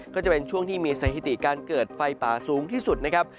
ก็จะเป็นช่วงที่มีสถิติการเกิดไฟป่าสูงที่สุดนะครับ